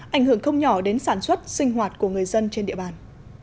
ảnh hưởng không nhỏ đến sản xuất sinh hoạt của người dân trên địa bàn